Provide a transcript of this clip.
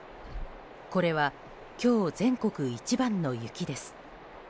これは今日、全国一番の雪です。